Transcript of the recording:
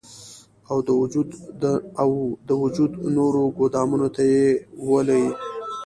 او د وجود نورو ګودامونو ته ئې ولي